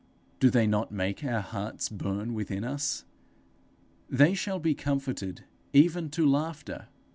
Do they not make our hearts burn within us? They shall be comforted even to laughter!